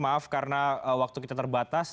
maaf karena waktu kita terbatas